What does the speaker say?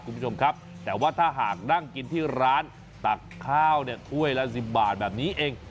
คุณผู้ชมครับแต่ว่าถ้าหากนั่งกินที่ร้านตักข้าวเนี่ยถ้วยละ๑๐บาทแบบนี้เอง